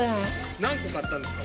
何個買ったんですか？